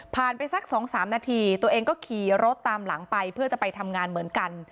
ไปสัก๒๓นาทีตัวเองก็ขี่รถตามหลังไปเพื่อจะไปทำงานเหมือนกัน